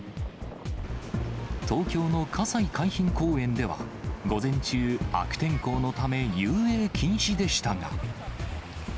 東京の葛西海浜公園では、午前中、悪天候のため、遊泳禁止でしたが。